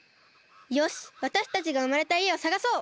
よしわたしたちがうまれたいえをさがそう！